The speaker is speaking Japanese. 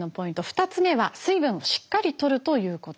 ２つ目は水分をしっかりとるということです。